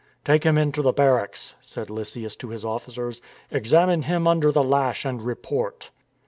" Take him into the barracks," said Lysias to his officers. " Examine him under the lash and report."